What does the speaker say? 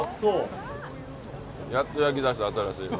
やっと焼き出した新しいの。